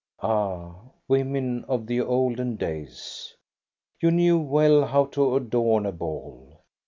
Ah, women of the olden days, you knew well how to adorn a ball.